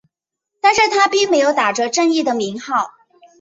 但是他并没有打着正义的名号。